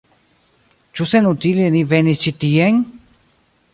Ĉu senutile ni venis ĉi tien?